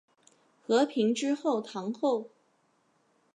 和平之后堂后。